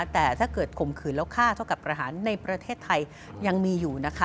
แต่ถ้าเกิดข่มขืนแล้วฆ่าเท่ากับประหารในประเทศไทยยังมีอยู่นะคะ